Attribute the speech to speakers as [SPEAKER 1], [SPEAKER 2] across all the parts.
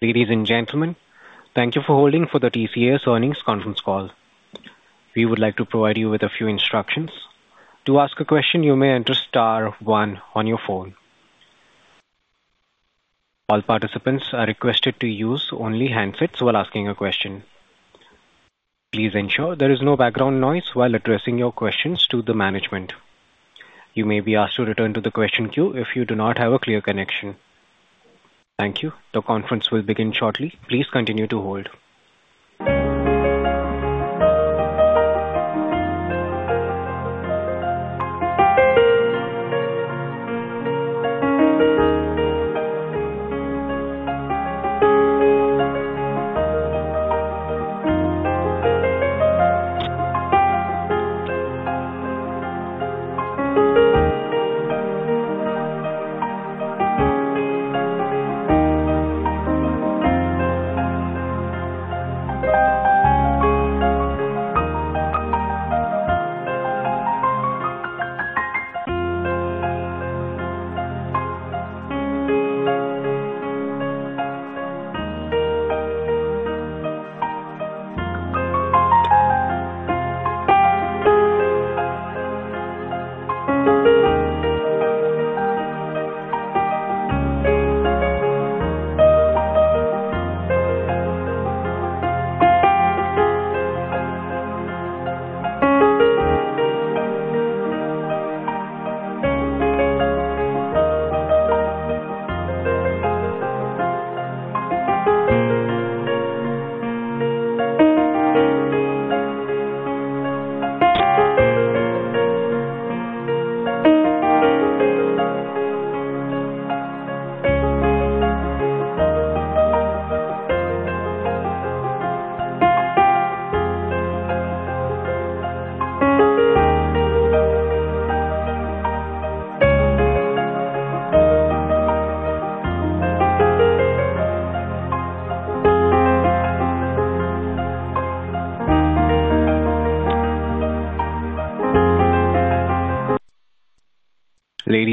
[SPEAKER 1] Ladies and gentlemen, thank you for holding for the TCS Earnings Conference call. We would like to provide you with a few instructions. To ask a question, you may enter star one on your phone. All participants are requested to use only handsets while asking a question. Please ensure there is no background noise while addressing your questions to the management. You may be asked to return to the question queue if you do not have a clear connection. Thank you. The conference will begin shortly. Please continue to hold.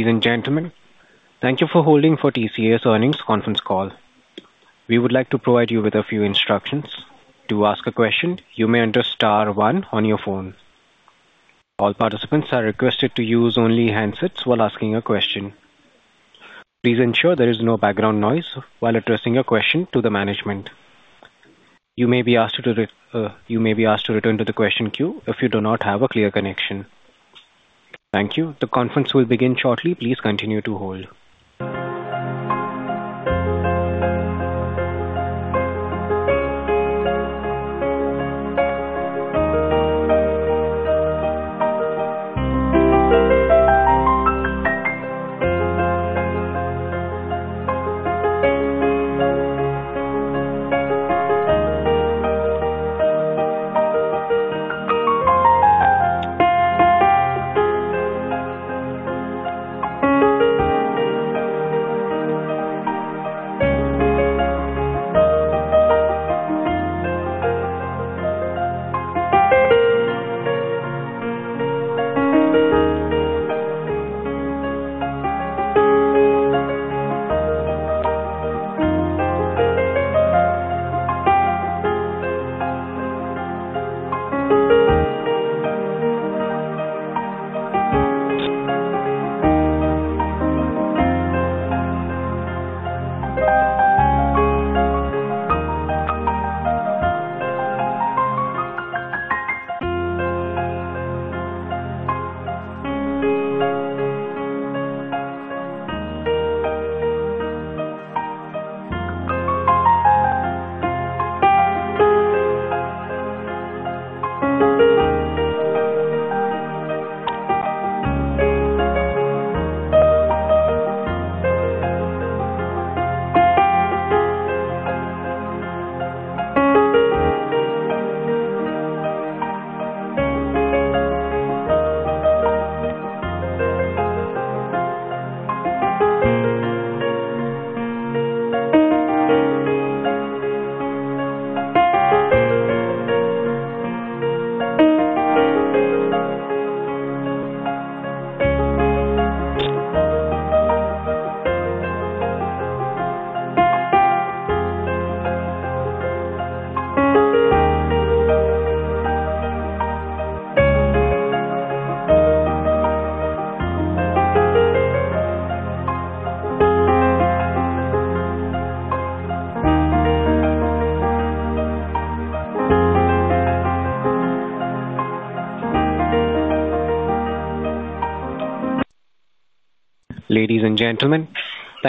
[SPEAKER 1] Ladies and gentlemen, thank you for holding for TCS Earnings Conference call. We would like to provide you with a few instructions. To ask a question, you may enter star one on your phone. All participants are requested to use only handsets while asking a question. Please ensure there is no background noise while addressing a question to the management. You may be asked to return to the question queue if you do not have a clear connection. Thank you. The conference will begin shortly. Please continue to hold.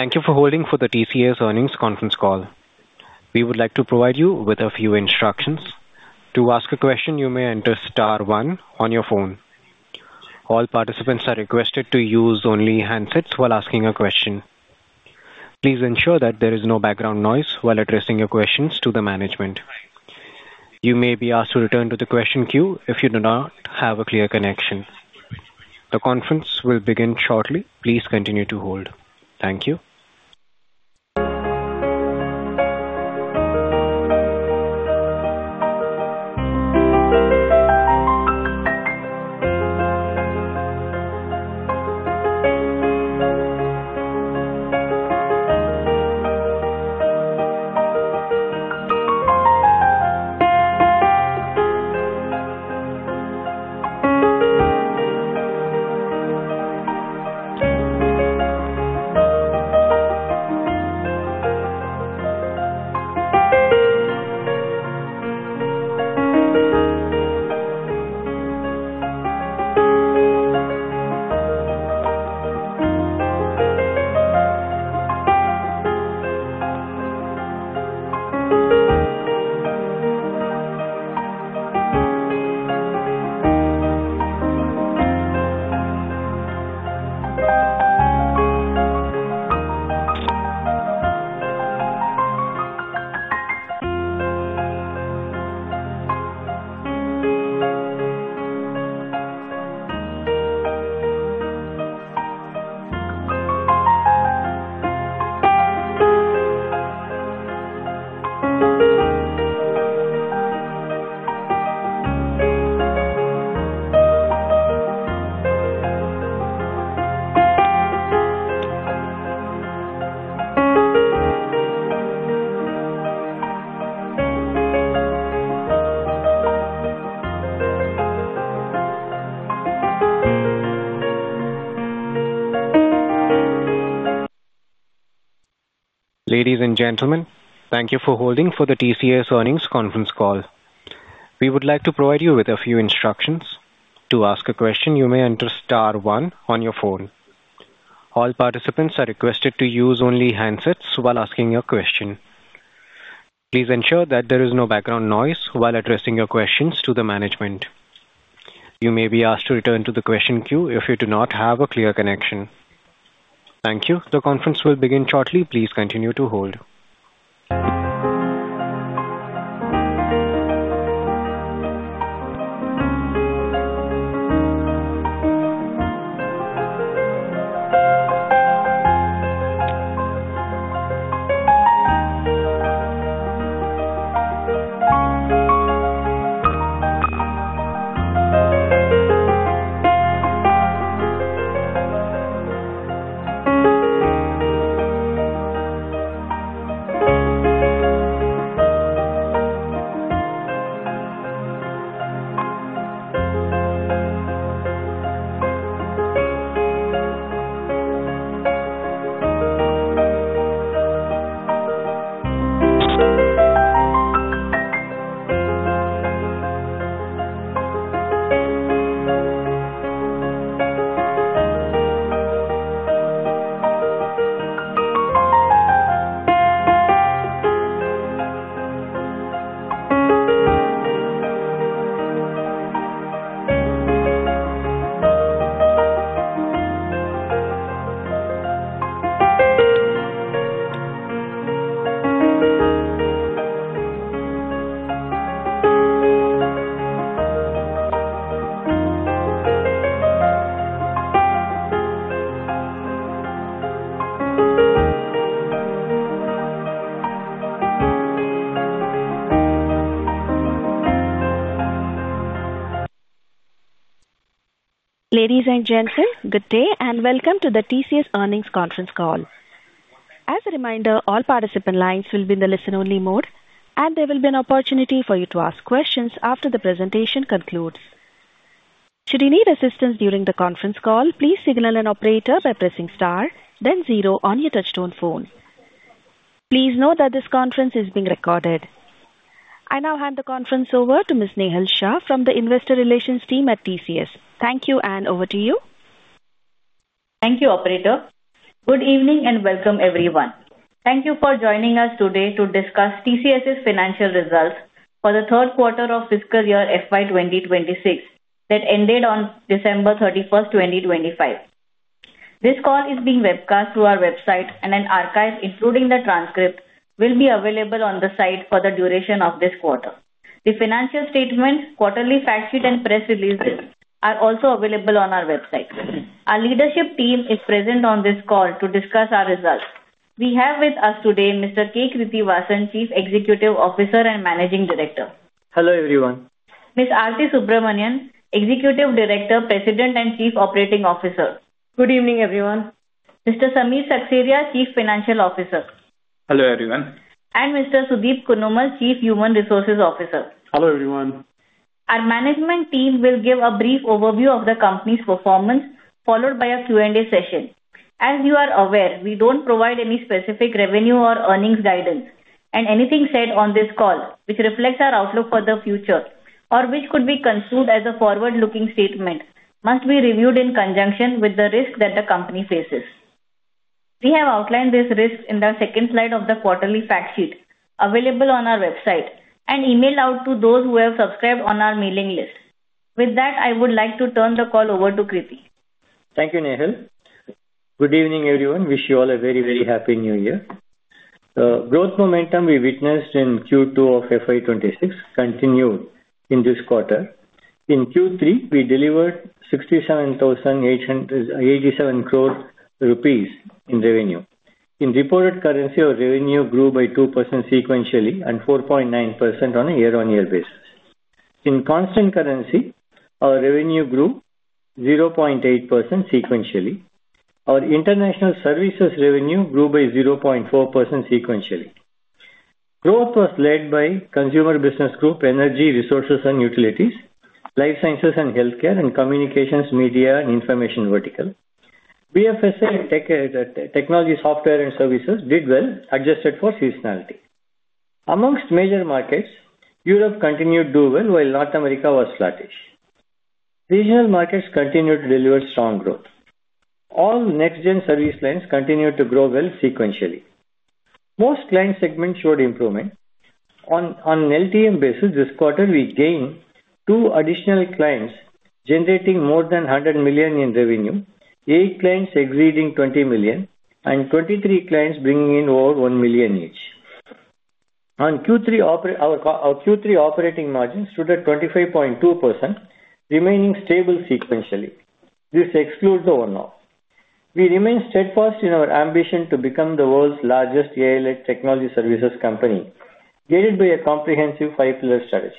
[SPEAKER 1] Ladies and gentlemen, thank you for holding for the TCS Earnings Conference call. We would like to provide you with a few instructions. To ask a question, you may enter star one on your phone. All participants are requested to use only handsets while asking a question. Please ensure that there is no background noise while addressing your questions to the management. You may be asked to return to the question queue if you do not have a clear connection. The conference will begin shortly. Please continue to hold. Thank you. Ladies and gentlemen, thank you for holding for the TCS Earnings Conference call. We would like to provide you with a few instructions. To ask a question, you may enter star one on your phone. All participants are requested to use only handsets while asking a question. Please ensure that there is no background noise while addressing your questions to the management. You may be asked to return to the question queue if you do not have a clear connection. Thank you. The conference will begin shortly. Please continue to hold. Ladies and gentlemen, good day and welcome to the TCS Earnings Conference Call. As a reminder, all participant lines will be in the listen-only mode, and there will be an opportunity for you to ask questions after the presentation concludes. Should you need assistance during the conference call, please signal an operator by pressing star, then zero on your touch-tone phone. Please note that this conference is being recorded. I now hand the conference over to Ms. Nehal Shah from the Investor Relations Team at TCS. Thank you, and over to you.
[SPEAKER 2] Thank you, Operator. Good evening and welcome, everyone. Thank you for joining us today to discuss TCS's financial results for the third quarter of fiscal year FY 2026 that ended on December 31st, 2025. This call is being webcast through our website, and an archive including the transcript will be available on the site for the duration of this quarter. The financial statement, quarterly fact sheet, and press releases are also available on our website. Our leadership team is present on this call to discuss our results. We have with us today Mr. K. Krithivasan, Chief Executive Officer and Managing Director.
[SPEAKER 3] Hello, everyone.
[SPEAKER 2] Ms. Aarthi Subramanian, Executive Director, President, and Chief Operating Officer.
[SPEAKER 4] Good evening, everyone.
[SPEAKER 2] Mr. Samir Seksaria, Chief Financial Officer.
[SPEAKER 5] Hello, everyone.
[SPEAKER 2] Mr. Sudeep Kunnumal, Chief Human Resources Officer.
[SPEAKER 6] Hello, everyone.
[SPEAKER 2] Our management team will give a brief overview of the company's performance, followed by a Q&A session. As you are aware, we don't provide any specific revenue or earnings guidance, and anything said on this call, which reflects our outlook for the future or which could be consumed as a forward-looking statement, must be reviewed in conjunction with the risk that the company faces. We have outlined these risks in the second slide of the quarterly fact sheet available on our website and emailed out to those who have subscribed on our mailing list. With that, I would like to turn the call over to Krithi.
[SPEAKER 3] Thank you, Nehal. Good evening, everyone. Wish you all a very, very happy New Year. The growth momentum we witnessed in Q2 of FY 2026 continued in this quarter. In Q3, we delivered 67,887 crore rupees in revenue. In reported currency, our revenue grew by 2% sequentially and 4.9% on a year-on-year basis. In constant currency, our revenue grew 0.8% sequentially. Our international services revenue grew by 0.4% sequentially. Growth was led by Consumer Business Group, Energy, Resources, and Utilities, Life Sciences and Healthcare, and Communications, Media, and Information vertical. BFSI and Technology, Software, and Services did well, adjusted for seasonality. Among major markets, Europe continued to do well, while North America was flattish. Regional markets continued to deliver strong growth. All next-gen service lines continued to grow well sequentially. Most client segments showed improvement. On an LTM basis, this quarter, we gained two additional clients generating more than 100 million in revenue, eight clients exceeding 20 million, and 23 clients bringing in over 1 million each. On Q3, our Q3 operating margin stood at 25.2%, remaining stable sequentially. This excludes the one-off. We remain steadfast in our ambition to become the world's largest AI-led technology services company, guided by a comprehensive five-pillar strategy.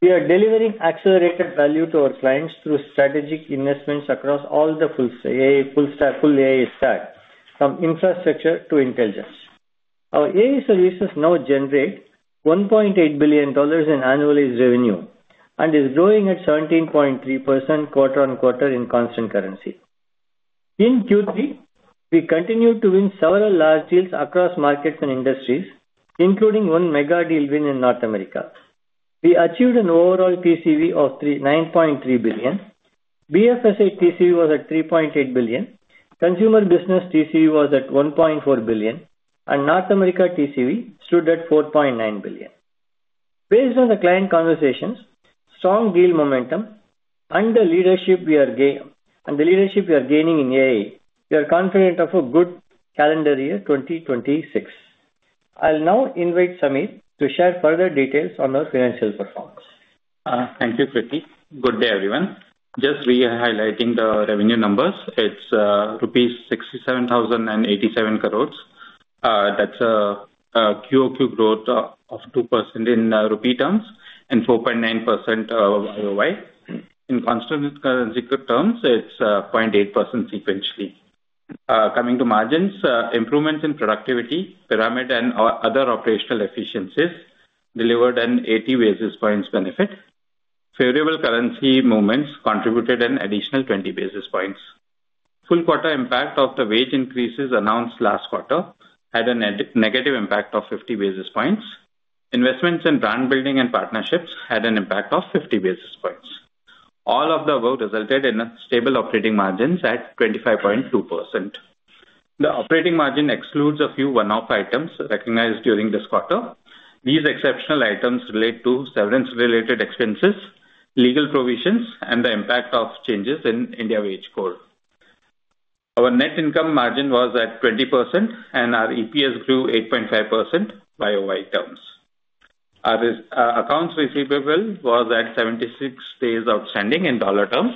[SPEAKER 3] We are delivering accelerated value to our clients through strategic investments across all the full AI stack, from infrastructure to intelligence. Our AI services now generate $1.8 billion in annualized revenue and is growing at 17.3% quarter on quarter in constant currency. In Q3, we continued to win several large deals across markets and industries, including one mega deal win in North America. We achieved an overall TCV of $9.3 billion. BFSI TCV was at $3.8 billion. Consumer business TCV was at $1.4 billion, and North America TCV stood at $4.9 billion. Based on the client conversations, strong deal momentum, and the leadership we are gaining in AI, we are confident of a good calendar year 2026. I'll now invite Samir to share further details on our financial performance.
[SPEAKER 5] Thank you, Kriti. Good day, everyone. Just re-highlighting the revenue numbers. It's rupees 67,087 crores. That's a QOQ growth of 2% in Rupee terms and 4.9% YOY. In constant currency terms, it's 0.8% sequentially. Coming to margins, improvements in productivity, pyramid, and other operational efficiencies delivered an 80 basis points benefit. Favorable currency movements contributed an additional 20 basis points. Full quarter impact of the wage increases announced last quarter had a negative impact of 50 basis points. Investments in brand building and partnerships had an impact of 50 basis points. All of the above resulted in stable operating margins at 25.2%. The operating margin excludes a few one-off items recognized during this quarter. These exceptional items relate to severance-related expenses, legal provisions, and the impact of changes in India wage code. Our net income margin was at 20%, and our EPS grew 8.5% YOY terms. Our accounts receivable was at 76 days outstanding in dollar terms.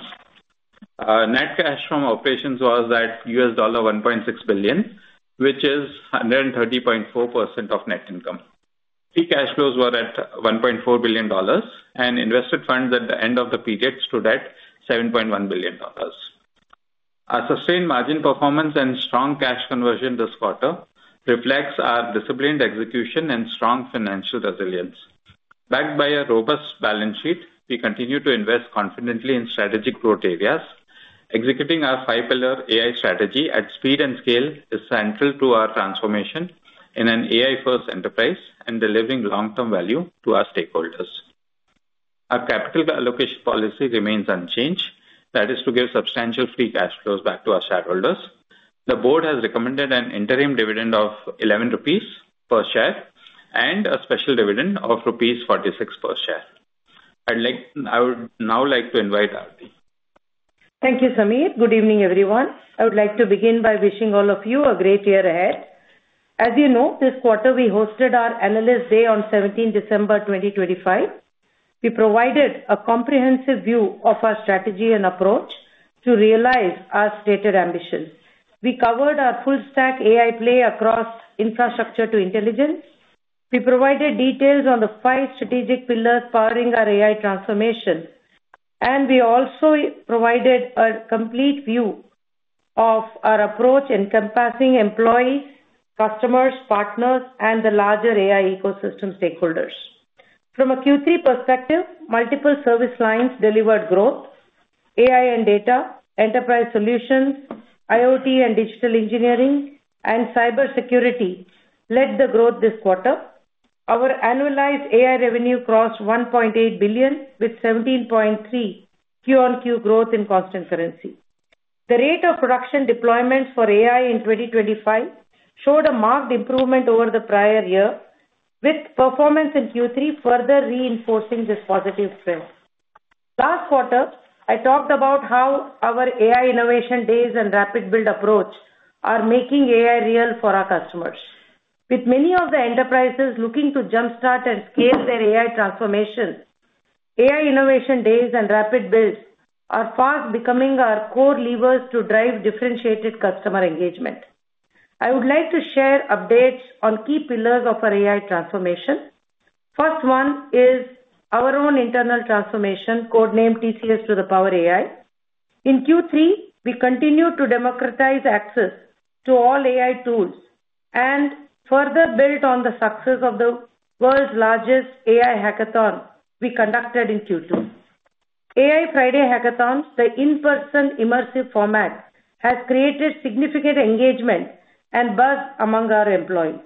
[SPEAKER 5] Net cash from operations was at $1.6 billion, which is 130.4% of net income. Key cash flows were at $1.4 billion, and invested funds at the end of the period stood at $7.1 billion. Our sustained margin performance and strong cash conversion this quarter reflects our disciplined execution and strong financial resilience. Backed by a robust balance sheet, we continue to invest confidently in strategic growth areas. Executing our five-pillar AI strategy at speed and scale is central to our transformation in an AI-first enterprise and delivering long-term value to our stakeholders. Our capital allocation policy remains unchanged. That is to give substantial free cash flows back to our shareholders. The board has recommended an interim dividend of 11 rupees per share and a special dividend of rupees 46 per share. I would now like to invite Aarthi.
[SPEAKER 4] Thank you, Samir. Good evening, everyone. I would like to begin by wishing all of you a great year ahead. As you know, this quarter, we hosted our analyst day on 17 December 2025. We provided a comprehensive view of our strategy and approach to realize our stated ambitions. We covered our full-stack AI play across infrastructure to intelligence. We provided details on the five strategic pillars powering our AI transformation, and we also provided a complete view of our approach encompassing employees, customers, partners, and the larger AI ecosystem stakeholders. From a Q3 perspective, multiple service lines delivered growth. AI and data, enterprise solutions, IoT and digital engineering, and cybersecurity led the growth this quarter. Our annualized AI revenue crossed 1.8 billion, with 17.3% Q on Q growth in constant currency. The rate of production deployments for AI in 2025 showed a marked improvement over the prior year, with performance in Q3 further reinforcing this positive trend. Last quarter, I talked about how our AI innovation days and rapid build approach are making AI real for our customers. With many of the enterprises looking to jump-start and scale their AI transformation, AI innovation days and rapid builds are fast becoming our core levers to drive differentiated customer engagement. I would like to share updates on key pillars of our AI transformation. First one is our own internal transformation, codenamed TCS to the Power AI. In Q3, we continued to democratize access to all AI tools and further built on the success of the world's largest AI hackathon we conducted in Q2. AI Friday hackathons, the in-person immersive format, have created significant engagement and buzz among our employees.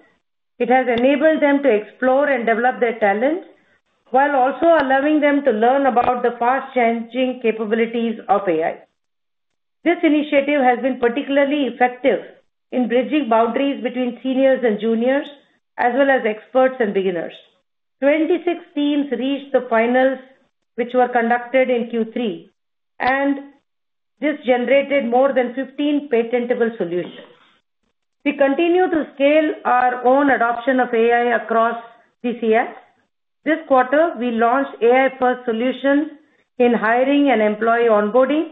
[SPEAKER 4] It has enabled them to explore and develop their talents while also allowing them to learn about the fast-changing capabilities of AI. This initiative has been particularly effective in bridging boundaries between seniors and juniors, as well as experts and beginners. 26 teams reached the finals, which were conducted in Q3, and this generated more than 15 patentable solutions. We continue to scale our own adoption of AI across TCS. This quarter, we launched AI-first solutions in hiring and employee onboarding.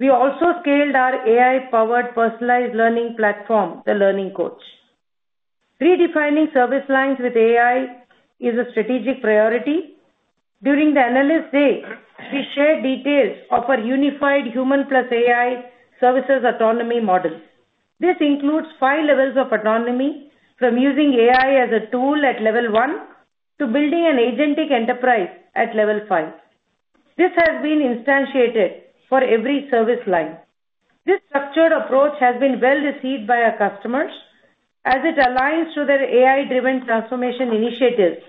[SPEAKER 4] We also scaled our AI-powered personalized learning platform, the Learning Coach. Redefining service lines with AI is a strategic priority. During the analyst day, we shared details of our unified human plus AI services autonomy model. This includes five levels of autonomy from using AI as a tool at level one to building an agentic enterprise at level five. This has been instantiated for every service line. This structured approach has been well received by our customers as it aligns to their AI-driven transformation initiatives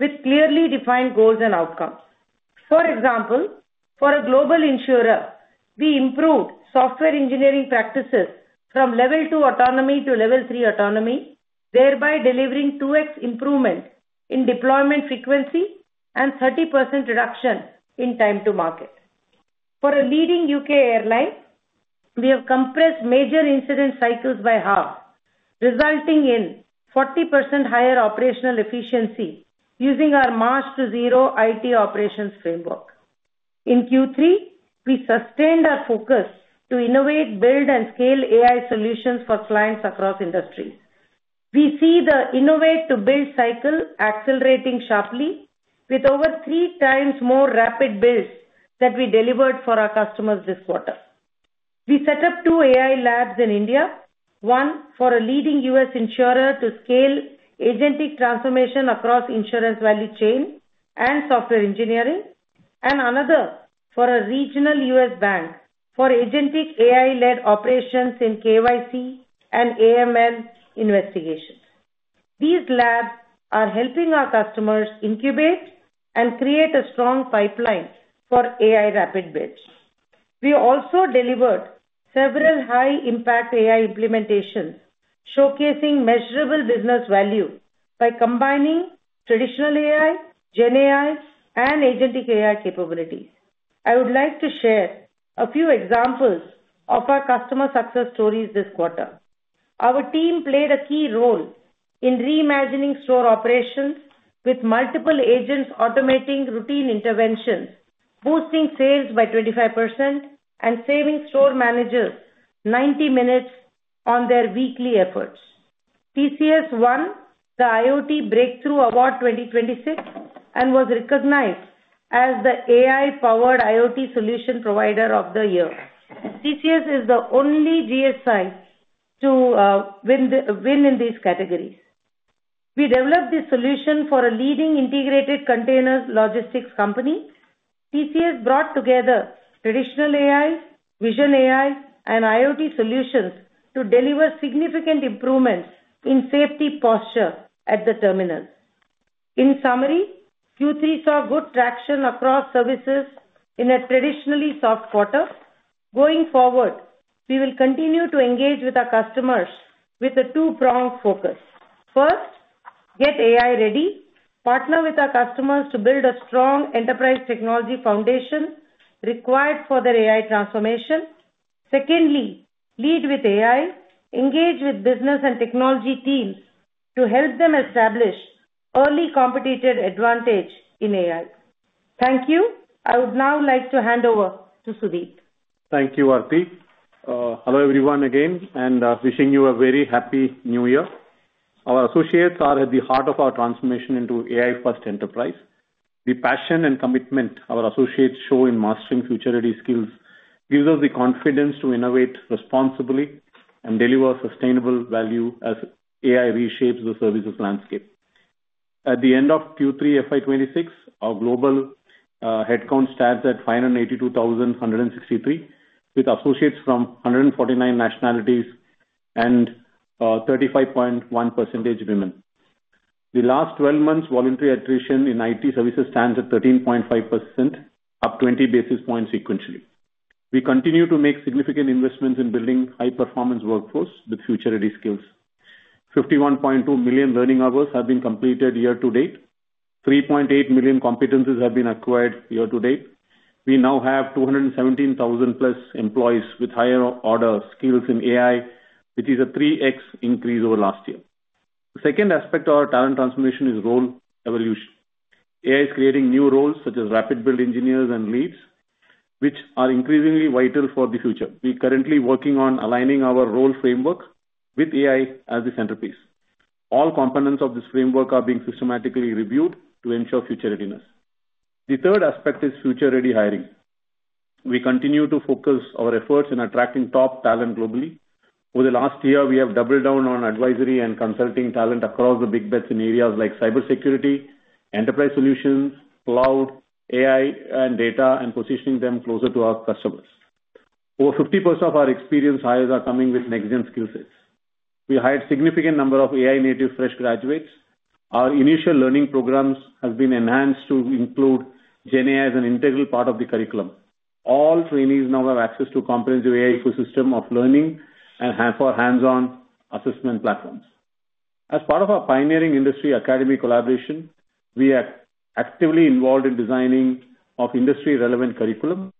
[SPEAKER 4] with clearly defined goals and outcomes. For example, for a global insurer, we improved software engineering practices from level two autonomy to level three autonomy, thereby delivering 2x improvement in deployment frequency and 30% reduction in time to market. For a leading U.K. airline, we have compressed major incident cycles by half, resulting in 40% higher operational efficiency using our march-to-zero IT operations framework. In Q3, we sustained our focus to innovate, build, and scale AI solutions for clients across industries. We see the innovate-to-build cycle accelerating sharply, with over three times more rapid builds that we delivered for our customers this quarter. We set up two AI labs in India, one for a leading U.S. insurer to scale agentic transformation across insurance value chain and software engineering, and another for a regional U.S. bank for agentic AI-led operations in KYC and AML investigations. These labs are helping our customers incubate and create a strong pipeline for AI rapid builds. We also delivered several high-impact AI implementations, showcasing measurable business value by combining traditional AI, GenAI, and agentic AI capabilities. I would like to share a few examples of our customer success stories this quarter. Our team played a key role in reimagining store operations with multiple agents automating routine interventions, boosting sales by 25%, and saving store managers 90 minutes on their weekly efforts. TCS won the IoT Breakthrough Award 2026 and was recognized as the AI-powered IoT solution provider of the year. TCS is the only GSI to win in these categories. We developed this solution for a leading integrated containers logistics company. TCS brought together traditional AI, vision AI, and IoT solutions to deliver significant improvements in safety posture at the terminal. In summary, Q3 saw good traction across services in a traditionally soft quarter. Going forward, we will continue to engage with our customers with a two-pronged focus. First, get AI ready. Partner with our customers to build a strong enterprise technology foundation required for their AI transformation. Secondly, lead with AI. Engage with business and technology teams to help them establish early competitive advantage in AI. Thank you. I would now like to hand over to Sudeep.
[SPEAKER 6] Thank you, Aarthi. Hello everyone again, and wishing you a very happy new year. Our associates are at the heart of our transformation into AI-first enterprise. The passion and commitment our associates show in mastering future-ready skills gives us the confidence to innovate responsibly and deliver sustainable value as AI reshapes the services landscape. At the end of Q3 FY26, our global headcount stands at 582,163, with associates from 149 nationalities and 35.1% women. The last 12 months' voluntary attrition in IT services stands at 13.5%, up 20 basis points sequentially. We continue to make significant investments in building high-performance workforce with future-ready skills. 51.2 million learning hours have been completed year-to-date. 3.8 million competencies have been acquired year-to-date. We now have 217,000+ employees with higher-order skills in AI, which is a 3x increase over last year. The second aspect of our talent transformation is role evolution. AI is creating new roles such as rapid build engineers and leads, which are increasingly vital for the future. We are currently working on aligning our role framework with AI as the centerpiece. All components of this framework are being systematically reviewed to ensure future-readiness. The third aspect is future-ready hiring. We continue to focus our efforts in attracting top talent globally. Over the last year, we have doubled down on advisory and consulting talent across the big bets in areas like cybersecurity, enterprise solutions, cloud, AI, and data, and positioning them closer to our customers. Over 50% of our experienced hires are coming with next-gen skill sets. We hired a significant number of AI-native fresh graduates. Our initial learning programs have been enhanced to include GenAI as an integral part of the curriculum. All trainees now have access to a comprehensive AI ecosystem of learning and for hands-on assessment platforms. As part of our pioneering industry academy collaboration, we are actively involved in designing industry-relevant curriculum.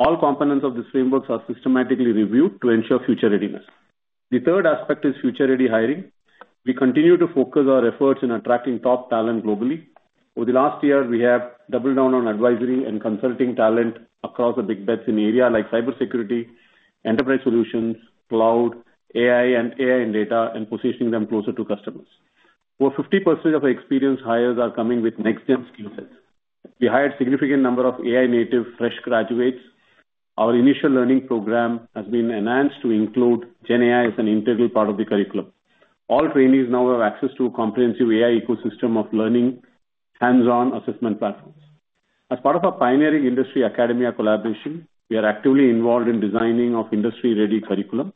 [SPEAKER 6] All components of this framework are systematically reviewed to ensure future-readiness. The third aspect is future-ready hiring. We continue to focus our efforts in attracting top talent globally. Over the last year, we have doubled down on advisory and consulting talent across the big bets in areas like cybersecurity, enterprise solutions, cloud, AI, and AI and data, and positioning them closer to customers. Over 50% of our experienced hires are coming with next-gen skill sets. We hired a significant number of AI-native fresh graduates. Our initial learning program has been enhanced to include GenAI as an integral part of the curriculum. All trainees now have access to a comprehensive AI ecosystem of learning hands-on assessment platforms. As part of our pioneering industry academy collaboration, we are actively involved in designing industry-ready curriculum.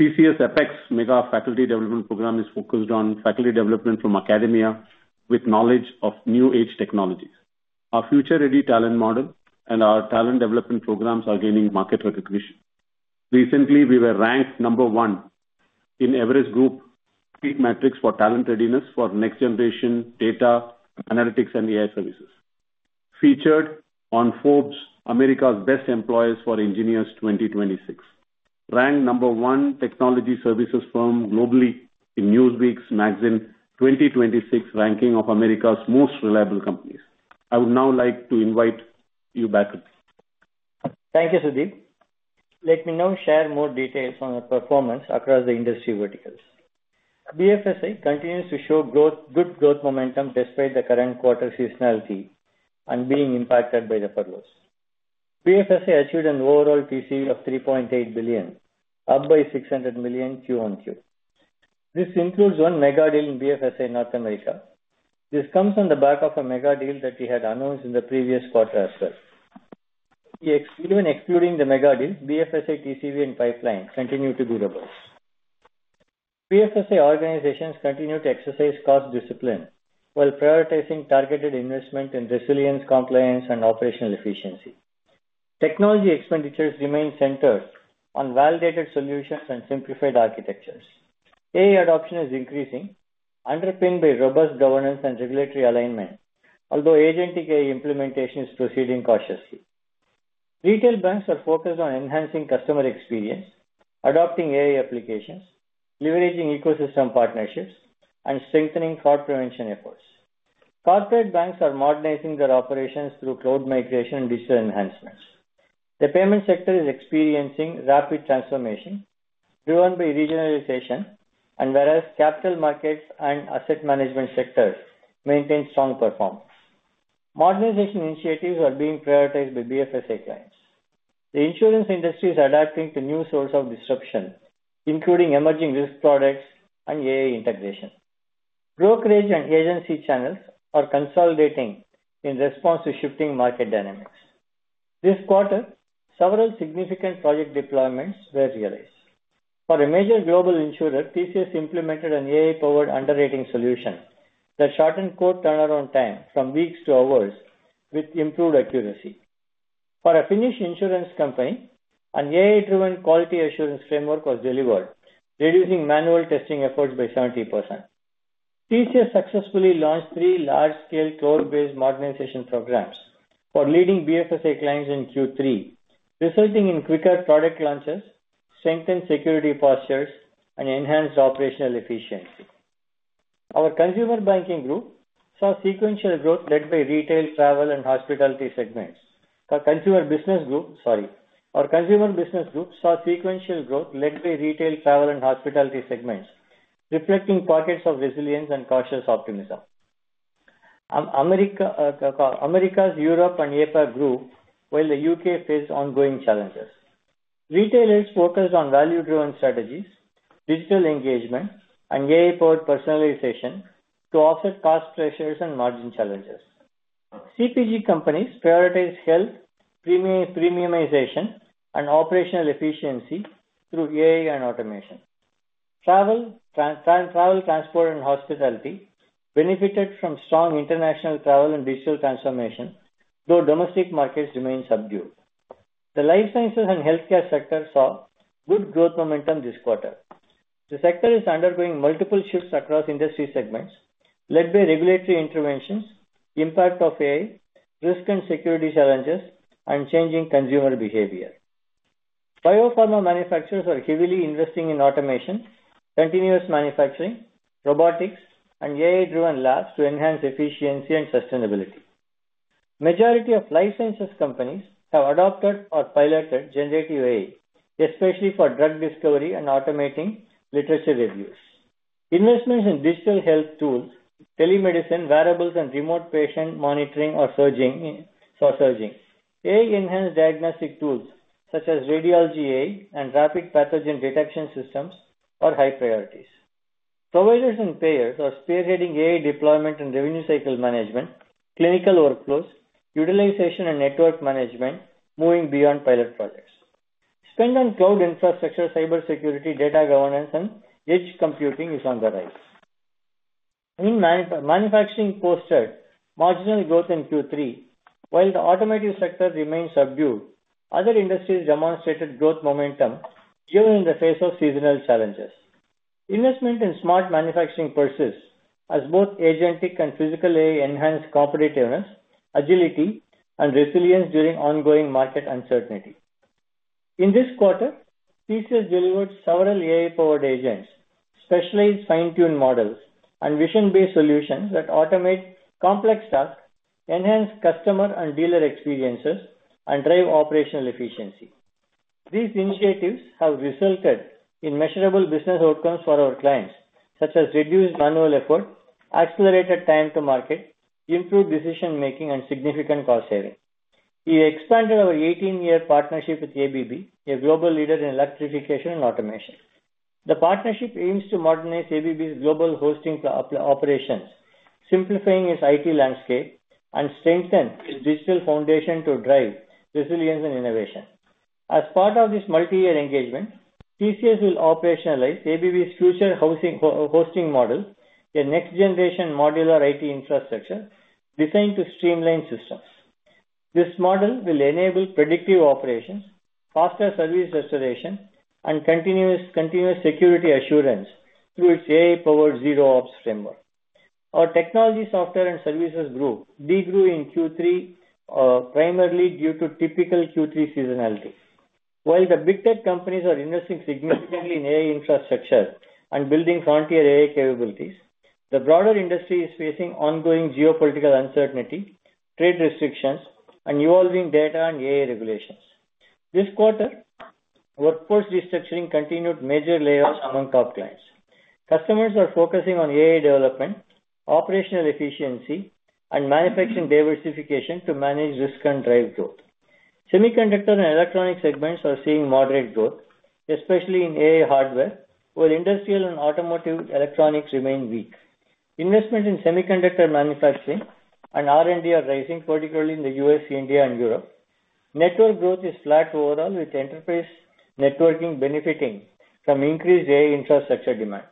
[SPEAKER 6] TCS EPEX, Mega Faculty Development Program, is focused on faculty development from academia with knowledge of new-age technologies. Our future-ready talent model and our talent development programs are gaining market recognition. Recently, we were ranked number one in Everest Group's PEAK Matrix for talent readiness for next-generation data analytics and AI services. Featured on Forbes' America's Best Employers for Engineers 2026, ranked number one technology services firm globally in Newsweek's magazine 2026 ranking of America's most reliable companies. I would now like to invite you back. Thank you, Sudeep. Let me now share more details on the performance across the industry verticals. BFSI continues to show good growth momentum despite the current quarter seasonality and being impacted by the furloughs. BFSI achieved an overall TCV of $3.8 billion, up by $600 million Q1Q. This includes one mega deal in BFSI North America. This comes on the back of a mega deal that we had announced in the previous quarter as well. Even excluding the mega deal, BFSI TCV and pipeline continue to be robust. BFSI organizations continue to exercise cost discipline while prioritizing targeted investment in resilience, compliance, and operational efficiency. Technology expenditures remain centered on validated solutions and simplified architectures. AI adoption is increasing, underpinned by robust governance and regulatory alignment, although agentic AI implementation is proceeding cautiously. Retail banks are focused on enhancing customer experience, adopting AI applications, leveraging ecosystem partnerships, and strengthening fraud prevention efforts. Corporate banks are modernizing their operations through cloud migration and digital enhancements. The payment sector is experiencing rapid transformation driven by regionalization, whereas capital markets and asset management sectors maintain strong performance. Modernization initiatives are being prioritized by BFSI clients. The insurance industry is adapting to new sources of disruption, including emerging risk products and AI integration. Brokerage and agency channels are consolidating in response to shifting market dynamics. This quarter, several significant project deployments were realized. For a major global insurer, TCS implemented an AI-powered underwriting solution that shortened code turnaround time from weeks to hours with improved accuracy. For a Finnish insurance company, an AI-driven quality assurance framework was delivered, reducing manual testing efforts by 70%. TCS successfully launched three large-scale cloud-based modernization programs for leading BFSI clients in Q3, resulting in quicker product launches, strengthened security postures, and enhanced operational efficiency. Our consumer banking group saw sequential growth led by retail, travel, and hospitality segments. Our Consumer Business Group saw sequential growth led by retail, travel, and hospitality segments, reflecting pockets of resilience and cautious optimism. Americas, Europe and APAC grew, while the U.K. faced ongoing challenges. Retailers focused on value-driven strategies, digital engagement, and AI-powered personalization to offset cost pressures and margin challenges. CPG companies prioritized health, premiumization, and operational efficiency through AI and automation. Travel, transport, and hospitality benefited from strong international travel and digital transformation, though domestic markets remained subdued. The Life Sciences and Healthcare sector saw good growth momentum this quarter. The sector is undergoing multiple shifts across industry segments led by regulatory interventions, impact of AI, risk and security challenges, and changing consumer behavior. Biopharma manufacturers are heavily investing in automation, continuous manufacturing, robotics, and AI-driven labs to enhance efficiency and sustainability. The majority of life sciences companies have adopted or piloted generative AI, especially for drug discovery and automating literature reviews. Investments in digital health tools, telemedicine, wearables, and remote patient monitoring are surging. AI-enhanced diagnostic tools such as radiology AI and rapid pathogen detection systems are high priorities. Providers and payers are spearheading AI deployment and revenue cycle management, clinical workflows, utilization, and network management moving beyond pilot projects. Spend on cloud infrastructure, cybersecurity, data governance, and edge computing is on the rise. Manufacturing posted marginal growth in Q3. While the automotive sector remained subdued, other industries demonstrated growth momentum even in the face of seasonal challenges. Investment in smart manufacturing persists as both agentic and physical AI enhance competitiveness, agility, and resilience during ongoing market uncertainty. In this quarter, TCS delivered several AI-powered agents, specialized fine-tuned models, and vision-based solutions that automate complex tasks, enhance customer and dealer experiences, and drive operational efficiency. These initiatives have resulted in measurable business outcomes for our clients, such as reduced manual effort, accelerated time to market, improved decision-making, and significant cost savings. We expanded our 18-year partnership with ABB, a global leader in electrification and automation.
[SPEAKER 5] The partnership aims to modernize ABB's global hosting operations, simplifying its IT landscape, and strengthen its digital foundation to drive resilience and innovation. As part of this multi-year engagement, TCS will operationalize ABB's future hosting model, a next-generation modular IT infrastructure designed to streamline systems. This model will enable predictive operations, faster service restoration, and continuous security assurance through its AI-powered Zero Ops framework. Our Technology, Software, and Services group degrew in Q3 primarily due to typical Q3 seasonality. While the big tech companies are investing significantly in AI infrastructure and building frontier AI capabilities, the broader industry is facing ongoing geopolitical uncertainty, trade restrictions, and evolving data and AI regulations. This quarter, workforce restructuring continued major layoffs among top clients. Customers are focusing on AI development, operational efficiency, and manufacturing diversification to manage risk and drive growth. Semiconductor and electronics segments are seeing moderate growth, especially in AI hardware, while industrial and automotive electronics remain weak. Investment in semiconductor manufacturing and R&D are rising, particularly in the U.S., India, and Europe. Network growth is flat overall, with enterprise networking benefiting from increased AI infrastructure demand.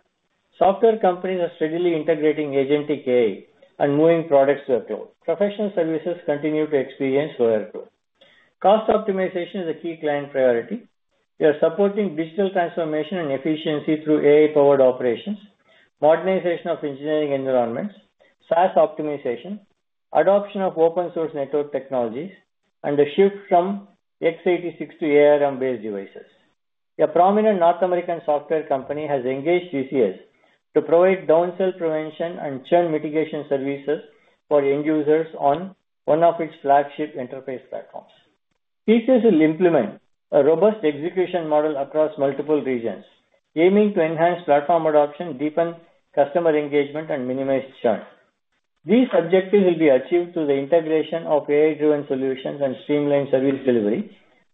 [SPEAKER 5] Software companies are steadily integrating agentic AI and moving products to the cloud. Professional services continue to experience lower growth. Cost optimization is a key client priority. We are supporting digital transformation and efficiency through AI-powered operations, modernization of engineering environments, SaaS optimization, adoption of open-source network technologies, and the shift from x86 to ARM-based devices. A prominent North American software company has engaged TCS to provide downsell prevention and churn mitigation services for end users on one of its flagship enterprise platforms. TCS will implement a robust execution model across multiple regions, aiming to enhance platform adoption, deepen customer engagement, and minimize churn. These objectives will be achieved through the integration of AI-driven solutions and streamlined service delivery,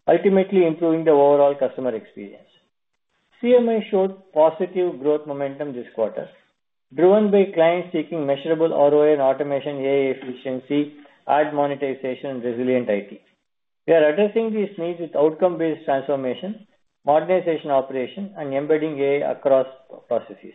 [SPEAKER 5] ultimately improving the overall customer experience. CMI showed positive growth momentum this quarter, driven by clients seeking measurable ROI and automation, AI efficiency, ad monetization, and resilient IT. We are addressing these needs with outcome-based transformation, modernization operation, and embedding AI across processes.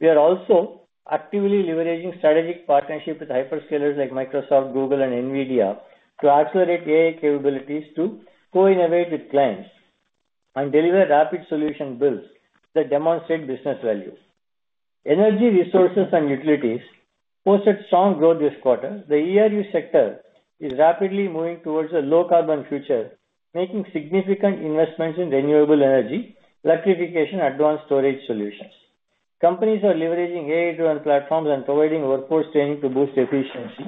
[SPEAKER 5] We are also actively leveraging strategic partnerships with hyperscalers like Microsoft, Google, and NVIDIA to accelerate AI capabilities to co-innovate with clients and deliver rapid solution builds that demonstrate business value. Energy resources and utilities posted strong growth this quarter. The ERU sector is rapidly moving towards a low-carbon future, making significant investments in renewable energy, electrification, and advanced storage solutions. Companies are leveraging AI-driven platforms and providing workforce training to boost efficiency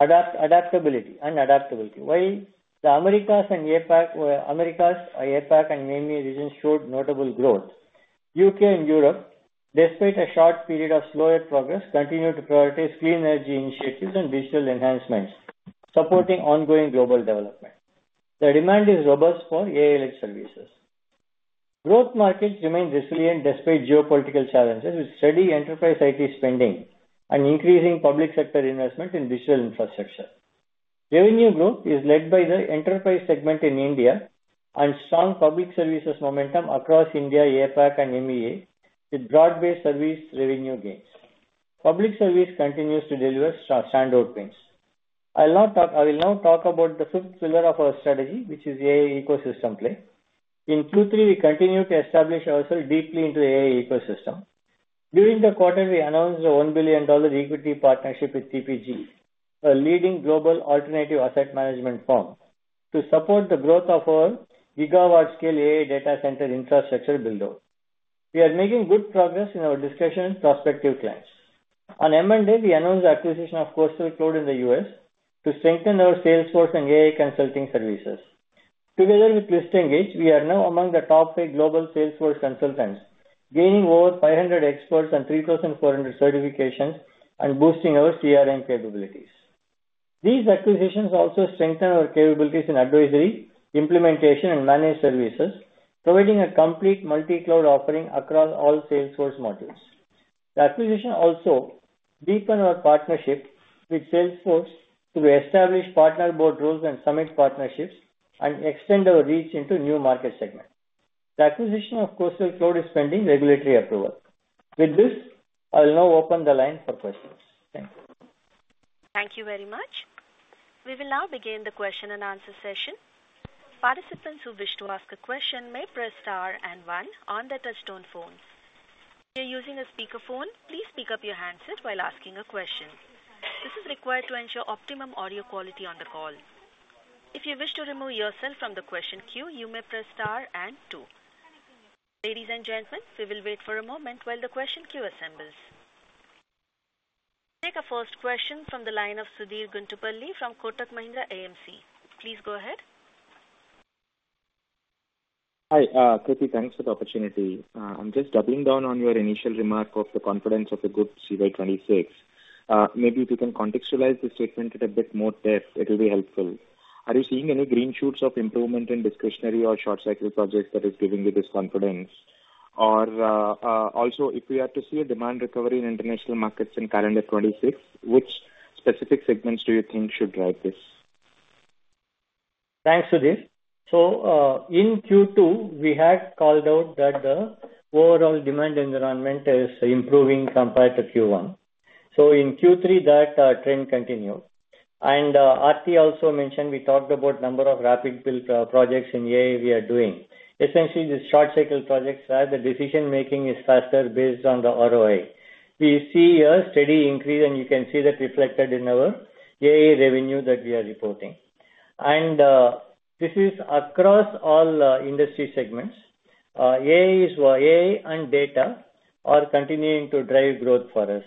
[SPEAKER 5] and adaptability. While the Americas and APAC and NAMI regions showed notable growth, the U.K. and Europe, despite a short period of slower progress, continue to prioritize clean energy initiatives and digital enhancements, supporting ongoing global development. The demand is robust for AI-led services. Growth markets remain resilient despite geopolitical challenges, with steady enterprise IT spending and increasing public sector investment in digital infrastructure. Revenue growth is led by the enterprise segment in India and strong public services momentum across India, APAC, and MEA, with broad-based service revenue gains. Public service continues to deliver standout wins. I will now talk about the fifth pillar of our strategy, which is AI ecosystem play. In Q3, we continue to establish ourselves deeply into the AI ecosystem. During the quarter, we announced a $1 billion equity partnership with TPG, a leading global alternative asset management firm, to support the growth of our gigawatt-scale AI data center infrastructure build-up. We are making good progress in our discussion with prospective clients. On M&A, we announced the acquisition of Coastal Cloud in the U.S. to strengthen our Salesforce and AI consulting services. Together with PragmaEdge, we are now among the top five global Salesforce consultants, gaining over 500 experts and 3,400 certifications and boosting our CRM capabilities. These acquisitions also strengthen our capabilities in advisory, implementation, and managed services, providing a complete multi-cloud offering across all Salesforce modules. The acquisition also deepened our partnership with Salesforce through established partner board roles and summit partnerships and extended our reach into new market segments. The acquisition of Coastal Cloud is pending regulatory approval. With this, I will now open the line for questions. Thank you.
[SPEAKER 1] Thank you very much. We will now begin the question and answer session. Participants who wish to ask a question may press star and one on the touch-tone phones. If you're using a speakerphone, please pick up your handset while asking a question. This is required to ensure optimum audio quality on the call. If you wish to remove yourself from the question queue, you may press star and two. Ladies and gentlemen, we will wait for a moment while the question queue assembles. We'll take the first question from the line of Sudheer Guntupalli from Kotak Mahindra AMC. Please go ahead.
[SPEAKER 7] Hi, Krithi. Thanks for the opportunity. I'm just doubling down on your initial remark of the confidence of a good CY26. Maybe if you can contextualize the statement a bit more depth, it will be helpful. Are you seeing any green shoots of improvement in discretionary or short-cycle projects that are giving you this confidence? Also, if we are to see a demand recovery in international markets in calendar 2026, which specific segments do you think should drive this?
[SPEAKER 5] Thanks, Sudheer. So in Q2, we had called out that the overall demand environment is improving compared to Q1. So in Q3, that trend continued. And Aarthi also mentioned we talked about the number of rapid build projects in AI we are doing. Essentially, these short-cycle projects are the decision-making is faster based on the ROI. We see a steady increase, and you can see that reflected in our AI revenue that we are reporting. And this is across all industry segments. AI and data are continuing to drive growth for us,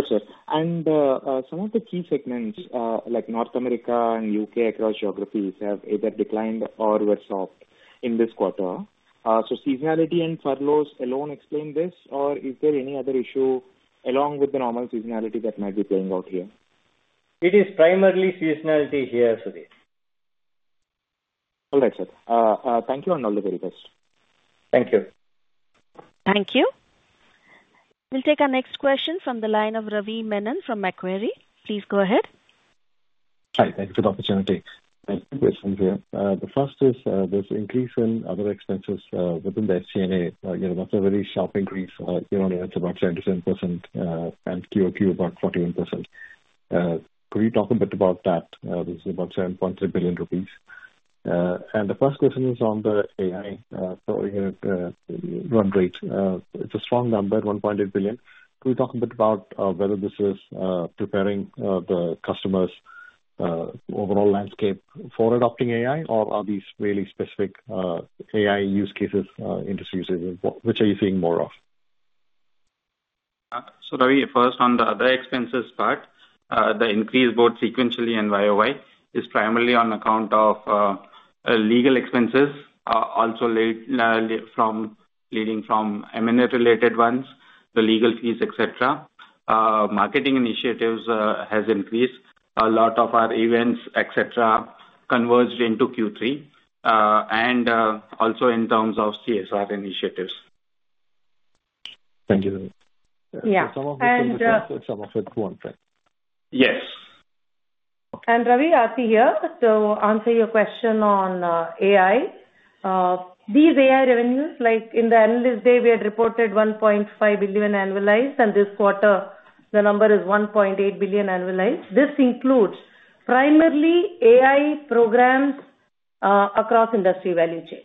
[SPEAKER 5] Sudheer.
[SPEAKER 7] Gotcha. And some of the key segments, like North America and U.K. across geographies, have either declined or were soft in this quarter. So seasonality and furloughs alone explain this, or is there any other issue along with the normal seasonality that might be playing out here?
[SPEAKER 5] It is primarily seasonality here, Sudheer.
[SPEAKER 7] All right, sir. Thank you, and all the very best.
[SPEAKER 5] Thank you.
[SPEAKER 1] Thank you. We'll take our next question from the line of Ravi Menon from Macquarie. Please go ahead.
[SPEAKER 8] Hi, thank you for the opportunity. Thank you for the question here. The first is this increase in other expenses within the SCNA. That's a very sharp increase here on the next about 27% and Q2 about 41%. Could you talk a bit about that? This is about 7.3 billion rupees. And the first question is on the AI run rate. It's a strong number at 1.8 billion. Could you talk a bit about whether this is preparing the customers' overall landscape for adopting AI, or are these really specific AI use cases, industry uses, which are you seeing more of?
[SPEAKER 3] So Ravi, first on the expenses part, the increase both sequentially and YOY is primarily on account of legal expenses, also leading from M&A-related ones, the legal fees, etc. Marketing initiatives have increased. A lot of our events, etc., converged into Q3, and also in terms of CSR initiatives.
[SPEAKER 8] Thank you.
[SPEAKER 1] Yeah. And
[SPEAKER 8] some of it's one-third.
[SPEAKER 3] Yes.
[SPEAKER 2] And Ravi, Aarthi here. So answer your question on AI. These AI revenues, like in the analyst day, we had reported 1.5 billion annualized, and this quarter, the number is 1.8 billion annualized. This includes primarily AI programs across the industry value chain,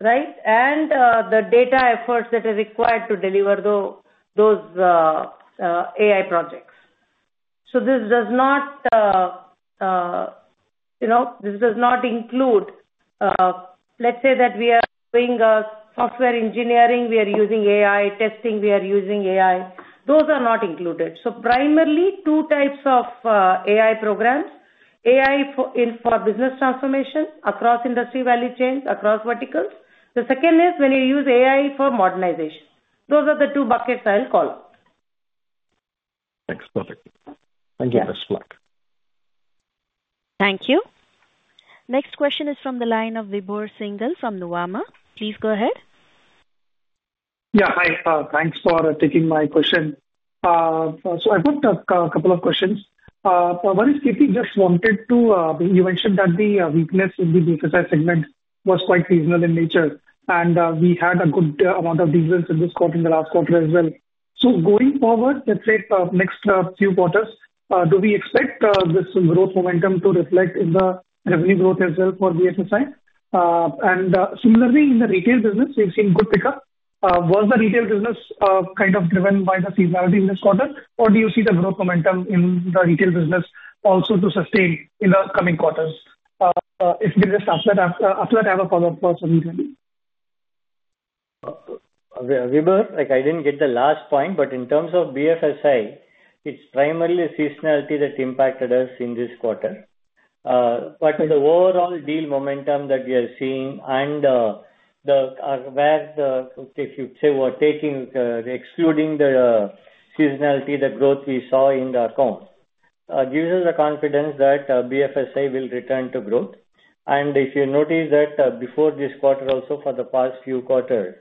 [SPEAKER 2] right, and the data efforts that are required to deliver those AI projects. So this does not include, let's say that we are doing software engineering, we are using AI testing, we are using AI, those are not included. So primarily, two types of AI programs: AI for business transformation across industry value chains, across verticals. The second is when you use AI for modernization. Those are the two buckets I'll call out.
[SPEAKER 8] Thanks. Perfect. Thank you.
[SPEAKER 1] Thank you. Next question is from the line of Vibhor Singhal from Nuvama. Please go ahead.
[SPEAKER 9] Yeah. Hi. Thanks for taking my question. So I've got a couple of questions. One is, Krithivasan just wanted to, you mentioned that the weakness in the BFSI segment was quite seasonal in nature, and we had a good amount of deals in this quarter and the last quarter as well. Going forward, let's say next few quarters, do we expect this growth momentum to reflect in the revenue growth as well for BFSI? And similarly, in the retail business, we've seen good pickup. Was the retail business kind of driven by the seasonality in this quarter, or do you see the growth momentum in the retail business also to sustain in the coming quarters? If you can just upload that, I have a follow-up for Sudhir.
[SPEAKER 3] Vibhor, I didn't get the last point, but in terms of BFSI, it's primarily seasonality that impacted us in this quarter. But the overall deal momentum that we are seeing and where the—if you say we're taking, excluding the seasonality, the growth we saw in the account gives us the confidence that BFSI will return to growth. If you notice that before this quarter, also for the past few quarters,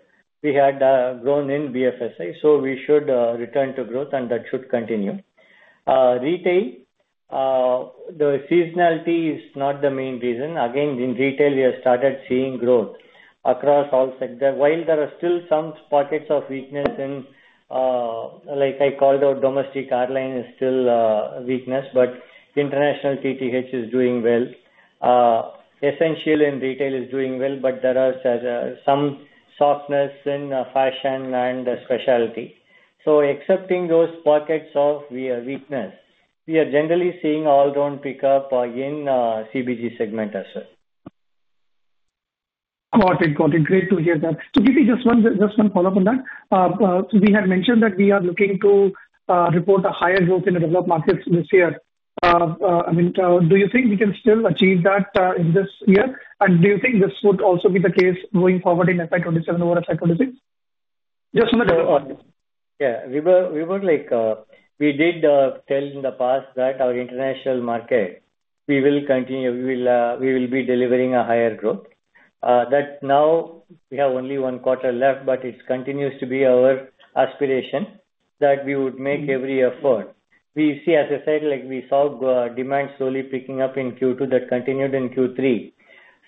[SPEAKER 3] we had grown in BFSI, so we should return to growth, and that should continue. Retail, the seasonality is not the main reason. Again, in retail, we have started seeing growth across all sectors. While there are still some pockets of weakness in, like I called out, domestic airline is still a weakness, but international TTH is doing well. Essential in retail is doing well, but there is some softness in fashion and specialty. Accepting those pockets of weakness, we are generally seeing all-round pickup in CBG segment as well.
[SPEAKER 9] Got it. Got it. Great to hear that. Krithivasan, just one follow-up on that. We had mentioned that we are looking to report a higher growth in the developed markets this year. I mean, do you think we can still achieve that in this year? And do you think this would also be the case going forward in FY27 over FY26?
[SPEAKER 3] Just on the developed markets. Yeah. We did tell in the past that our international market, we will continue; we will be delivering a higher growth. That now we have only one quarter left, but it continues to be our aspiration that we would make every effort. We see as a set; we saw demand slowly picking up in Q2 that continued in Q3.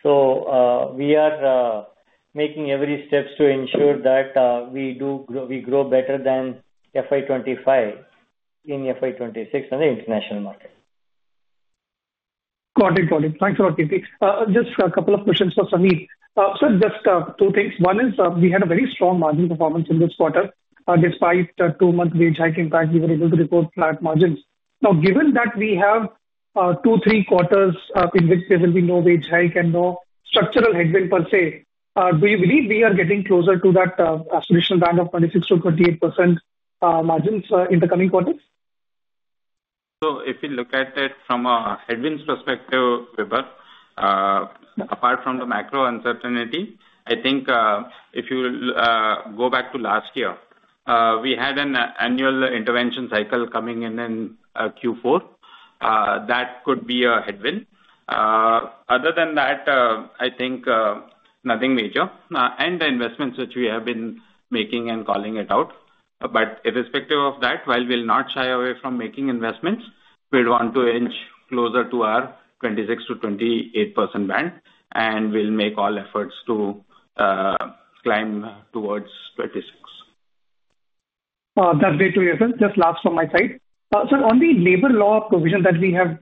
[SPEAKER 3] So we are making every step to ensure that we grow better than FY25 in FY26 on the international market.
[SPEAKER 9] Got it. Got it. Thanks a lot, Krithivasan. Just a couple of questions for Sudhir. So just two things. One is we had a very strong margin performance in this quarter. Despite a two-month wage hike impact, we were able to report flat margins. Now, given that we have two, three quarters in which there will be no wage hike and no structural headwind per se, do you believe we are getting closer to that traditional band of 26%-28% margins in the coming quarters?
[SPEAKER 6] So if you look at it from a headwinds perspective, Vibhor, apart from the macro uncertainty, I think if you go back to last year, we had an annual intervention cycle coming in in Q4. That could be a headwind. Other than that, I think nothing major. And the investments which we have been making and calling it out. But irrespective of that, while we'll not shy away from making investments, we'll want to inch closer to our 26%-28% band, and we'll make all efforts to climb towards 26%.
[SPEAKER 9] That's great to hear, sir. Just one last from my side. Sir, on the labor law provision that we have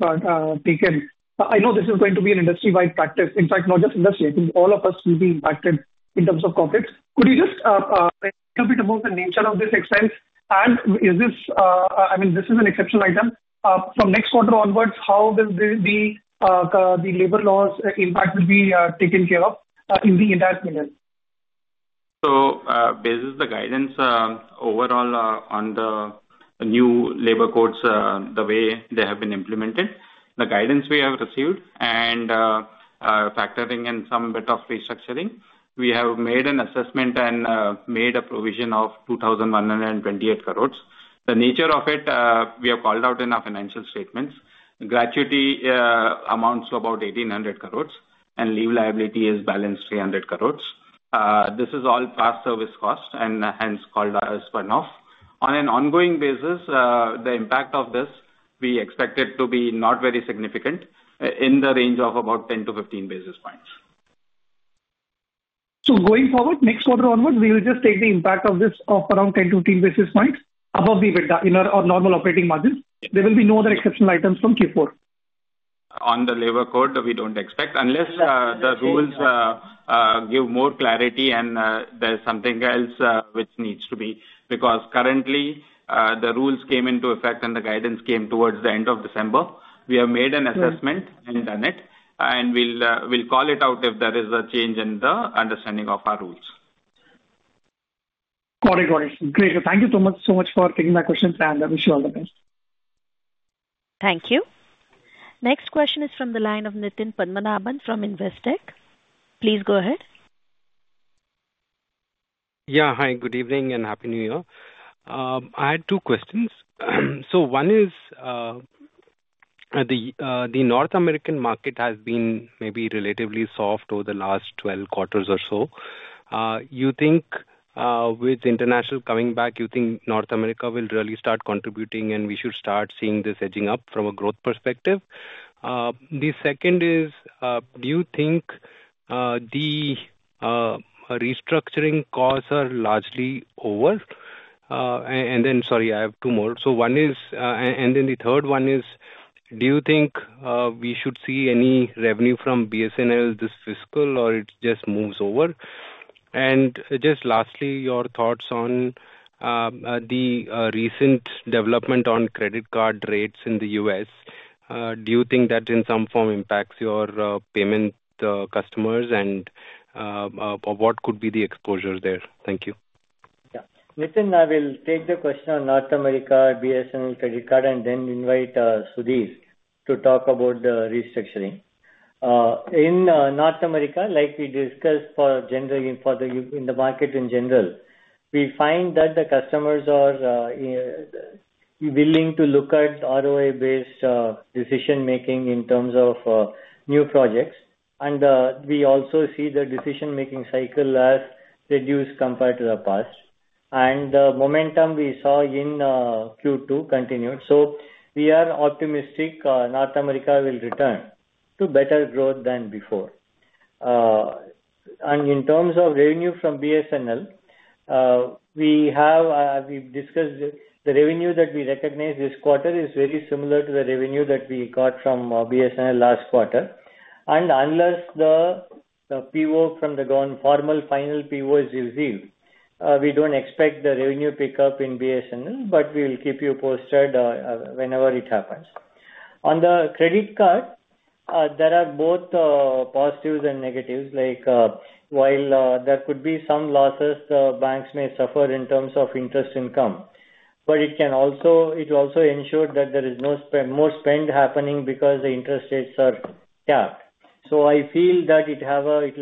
[SPEAKER 9] taken, I know this is going to be an industry-wide practice. In fact, not just industry, I think all of us will be impacted in terms of corporates. Could you just tell me a bit about the nature of this expense? And is this—I mean, this is an exceptional item. From next quarter onwards, how will the labor laws' impact be taken care of in the entire period?
[SPEAKER 6] So based on the guidance overall on the new labor codes, the way they have been implemented, the guidance we have received, and factoring in some bit of restructuring, we have made an assessment and made a provision of 2,128 crores. The nature of it, we have called out in our financial statements, gratuity amounts to about 1,800 crores, and leave liability balances 300 crores. This is all past service cost and hence called out as spun-off. On an ongoing basis, the impact of this, we expect it to be not very significant in the range of about 10 basis point-15 basis points.
[SPEAKER 9] So going forward, next quarter onwards, we will just take the impact of this of around 10 basis point-15 basis points above the normal operating margins. There will be no other exceptional items from Q4.
[SPEAKER 6] On the labor code, we don't expect, unless the rules give more clarity and there's something else which needs to be. Because currently, the rules came into effect and the guidance came towards the end of December. We have made an assessment and done it, and we'll call it out if there is a change in the understanding of our rules.
[SPEAKER 9] Got it. Got it. Great. Thank you so much for taking my questions, and I wish you all the best.
[SPEAKER 1] Thank you. Next question is from the line of Nithin Padmanabhan from Investec. Please go ahead.
[SPEAKER 10] Yeah. Hi. Good evening and happy New Year. I had two questions. So one is the North American market has been maybe relatively soft over the last 12 quarters or so. You think with international coming back, you think North America will really start contributing, and we should start seeing this edging up from a growth perspective? The second is, do you think the restructuring costs are largely over? And then, sorry, I have two more. So one is, and then the third one is, do you think we should see any revenue from BSNL this fiscal, or it just moves over? And just lastly, your thoughts on the recent development on credit card rates in the US? Do you think that in some form impacts your payment customers, and what could be the exposure there? Thank you. Yeah.
[SPEAKER 3] Nithin, I will take the question on North America, BSNL credit card, and then invite Sudhir to talk about the restructuring. In North America, like we discussed for the market in general, we find that the customers are willing to look at ROI-based decision-making in terms of new projects. And we also see the decision-making cycle has reduced compared to the past. And the momentum we saw in Q2 continued. So we are optimistic North America will return to better growth than before. In terms of revenue from BSNL, we discussed the revenue that we recognize this quarter is very similar to the revenue that we got from BSNL last quarter. Unless the PO from the formal final PO is received, we don't expect the revenue pickup in BSNL, but we will keep you posted whenever it happens. On the credit card, there are both positives and negatives. While there could be some losses, the banks may suffer in terms of interest income, but it also ensures that there is no more spend happening because the interest rates are capped. I feel that it will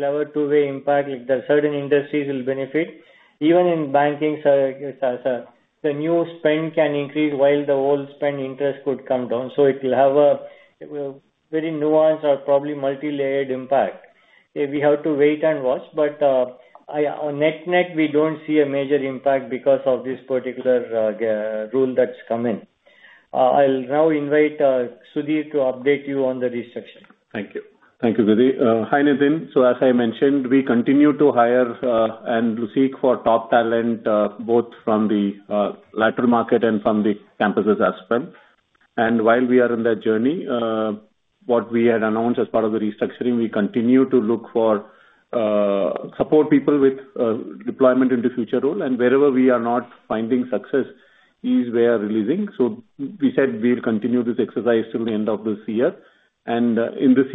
[SPEAKER 3] have a two-way impact. There are certain industries that will benefit. Even in banking, the new spend can increase while the old spend interest could come down. It will have a very nuanced or probably multi-layered impact. We have to wait and watch, but net-net, we don't see a major impact because of this particular rule that's come in. I'll now invite Sudhir to update you on the restructuring.
[SPEAKER 6] Thank you. Thank you, Vibhor. Hi, Nithin. So as I mentioned, we continue to hire and seek for top talent both from the lateral market and from the campuses as well. And while we are in that journey, what we had announced as part of the restructuring, we continue to look for support people with deployment into future roles. And wherever we are not finding success is where we're releasing. So we said we'll continue this exercise till the end of this year. And in this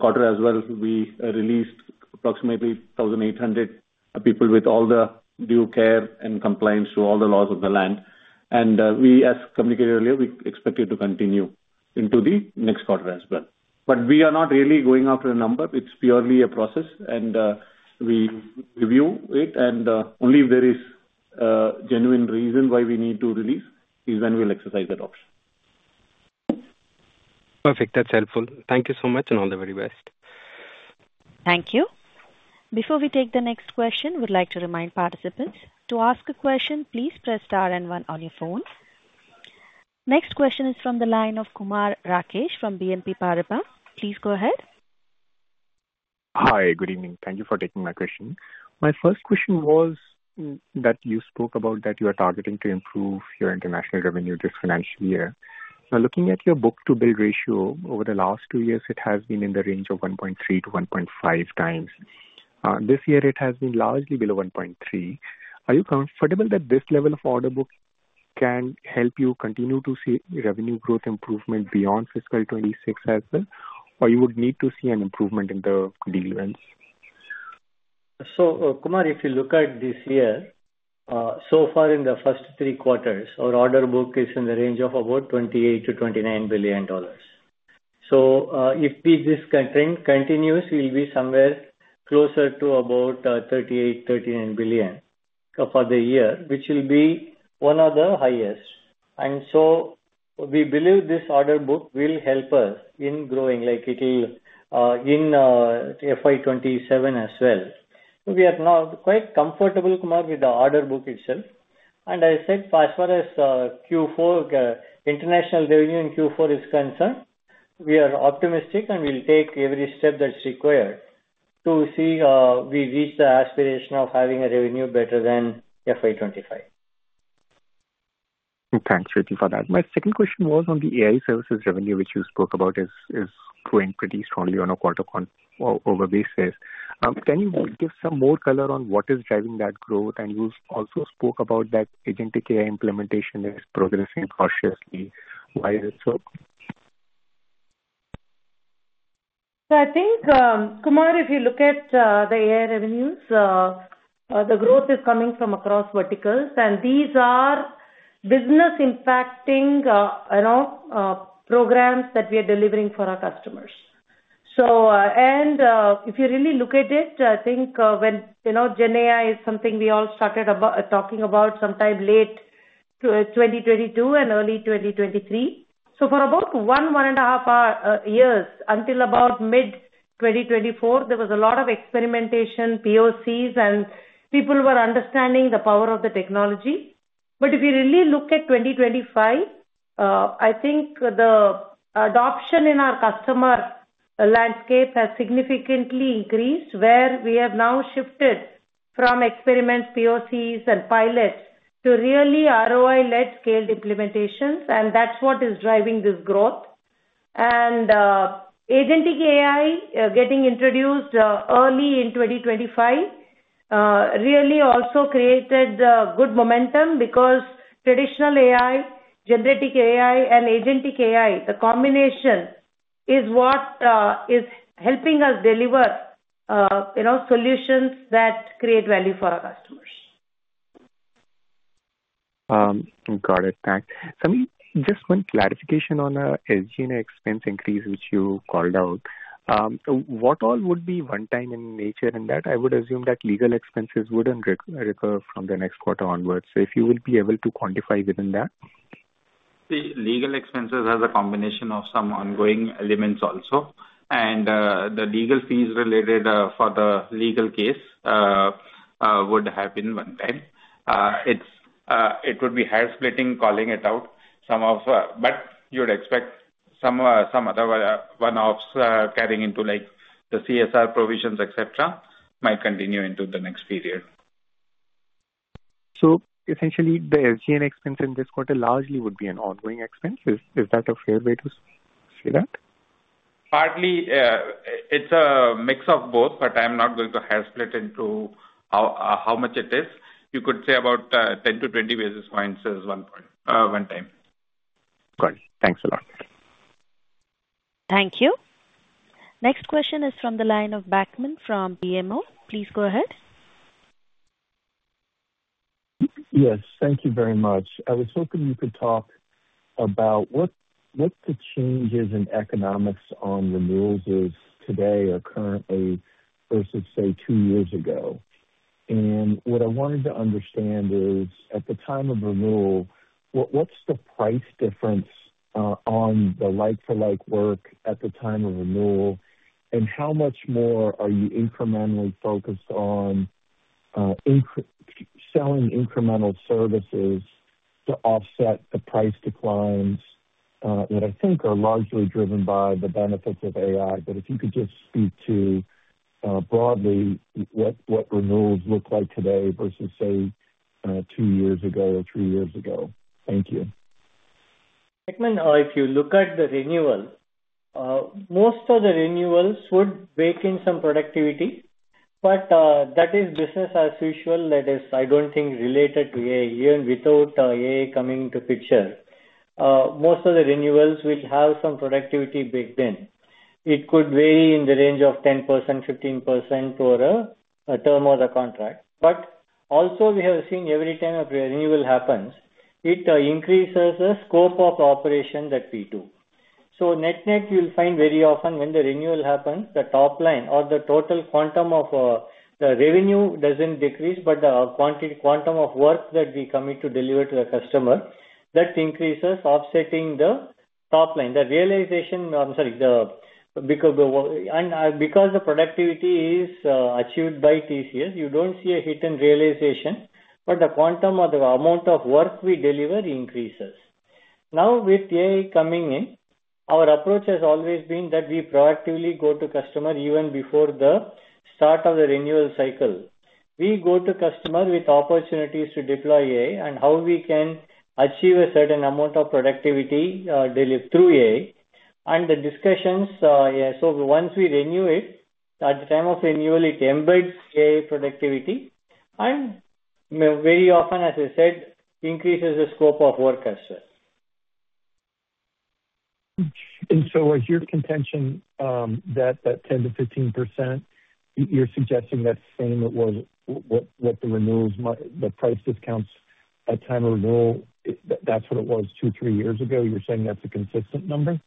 [SPEAKER 6] quarter as well, we released approximately 1,800 people with all the due care and compliance to all the laws of the land. And as communicated earlier, we expect it to continue into the next quarter as well. But we are not really going after a number. It's purely a process, and we review it. And only if there is a genuine reason why we need to release is when we'll exercise that option.
[SPEAKER 10] Perfect. That's helpful. Thank you so much, and all the very best.
[SPEAKER 1] Thank you. Before we take the next question, we'd like to remind participants to ask a question. Please press star and one on your phone. Next question is from the line of Kumar Rakesh from BNP Paribas. Please go ahead.
[SPEAKER 11] Hi. Good evening. Thank you for taking my question. My first question was that you spoke about that you are targeting to improve your international revenue this financial year. Now, looking at your book-to-bill ratio, over the last two years, it has been in the range of 1.3-1.5 times. This year, it has been largely below 1.3. Are you comfortable that this level of order book can help you continue to see revenue growth improvement beyond fiscal 26 as well, or you would need to see an improvement in the deal runs?
[SPEAKER 5] So Kumar, if you look at this year, so far in the first three quarters, our order book is in the range of about $28-$29 billion. So if this trend continues, we'll be somewhere closer to about $38-$39 billion for the year, which will be one of the highest. And so we believe this order book will help us in growing in FY27 as well. We are now quite comfortable, Kumar, with the order book itself. As I said, as far as international revenue in Q4 is concerned, we are optimistic and will take every step that's required to see we reach the aspiration of having a revenue better than FY25.
[SPEAKER 11] Thanks, Vibhor, for that. My second question was on the AI services revenue, which you spoke about is growing pretty strongly on a quarter-over basis. Can you give some more color on what is driving that growth? And you also spoke about that agentic AI implementation is progressing cautiously. Why is it so?
[SPEAKER 2] I think, Kumar, if you look at the AI revenues, the growth is coming from across verticals, and these are business-impacting programs that we are delivering for our customers. And if you really look at it, I think GenAI is something we all started talking about sometime late 2022 and early 2023. So for about one, one and a half years until about mid-2024, there was a lot of experimentation, POCs, and people were understanding the power of the technology. But if you really look at 2025, I think the adoption in our customer landscape has significantly increased, where we have now shifted from experiments, POCs, and pilots to really ROI-led scaled implementations. And that's what is driving this growth. And agentic AI getting introduced early in 2025 really also created good momentum because traditional AI, generative AI, and agentic AI, the combination is what is helping us deliver solutions that create value for our customers.
[SPEAKER 11] Got it. Thanks. Just one clarification on the legal and the expense increase which you called out. What all would be one-time in nature in that? I would assume that legal expenses wouldn't recur from the next quarter onwards. So if you will be able to quantify within that?
[SPEAKER 3] The legal expenses are the combination of some ongoing elements also. And the legal fees related for the legal case would have been one-time. It would be higher splitting calling it out. But you would expect some other one-offs carrying into the CSR provisions, etc., might continue into the next period.
[SPEAKER 11] So essentially, the legal expense in this quarter largely would be an ongoing expense. Is that a fair way to say that?
[SPEAKER 3] Partly, it's a mix of both, but I'm not going to higher split into how much it is. You could say about 10-20 basis points is one-time.
[SPEAKER 11] Got it. Thanks a lot.
[SPEAKER 1] Thank you. Next question is from the line of Bachman from BMO. Please go ahead.
[SPEAKER 12] Yes. Thank you very much. I was hoping you could talk about what the changes in economics on renewals is today or currently versus, say, two years ago. And what I wanted to understand is, at the time of renewal, what's the price difference on the like-for-like work at the time of renewal, and how much more are you incrementally focused on selling incremental services to offset the price declines that I think are largely driven by the benefits of AI? But if you could just speak to, broadly, what renewals look like today versus, say, two years ago or three years ago. Thank you.
[SPEAKER 5] Bachman, if you look at the renewal, most of the renewals would bake in some productivity. But that is business as usual. That is, I don't think related to AI here and without AI coming into the picture. Most of the renewals will have some productivity baked in. It could vary in the range of 10%-15% for a term or the contract. But also, we have seen every time a renewal happens, it increases the scope of operation that we do. So net-net, you'll find very often when the renewal happens, the top line or the total quantum of the revenue doesn't decrease, but the quantum of work that we commit to deliver to the customer, that increases offsetting the top line. The realization, I'm sorry, and because the productivity is achieved by TCS, you don't see a hidden realization, but the quantum or the amount of work we deliver increases. Now, with AI coming in, our approach has always been that we proactively go to customer even before the start of the renewal cycle. We go to customer with opportunities to deploy AI and how we can achieve a certain amount of productivity through AI. The discussions, so once we renew it, at the time of renewal, it embeds AI productivity and very often, as I said, increases the scope of work as well. So was your contention that that 10%-15%, you're suggesting that same was what the renewals, the price discounts at time of renewal, that's what it was two, three years ago? You're saying that's a consistent number?